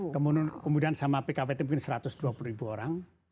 kemudian sama pkwt mungkin satu ratus dua puluh ribu orang